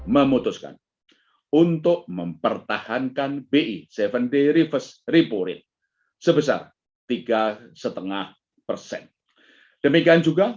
memutuskan untuk mempertahankan bi tujuh puluh reverse report sebesar tiga setengah persen demikian juga